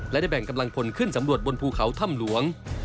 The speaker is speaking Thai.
และได้แบ่งกำลังพลขึ้นสำรวจบนภูเขาถ้ำหลวง